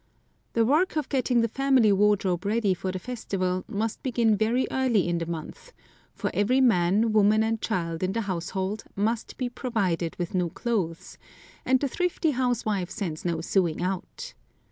The work of getting the family wardrobe ready for the festival must begin very early in the month, for every man, woman, and child in the household must be provided with new clothes, and the thrifty housewife sends no sewing out.